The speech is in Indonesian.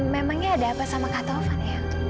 memangnya ada apa sama kak taufan ya